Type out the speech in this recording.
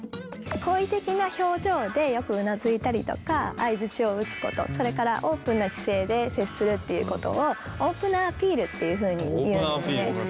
好意的な表情でよくうなずいたりとか相づちを打つことそれからオープンな姿勢で接するっていうことをオープナーアピールっていうふうに言うんですね。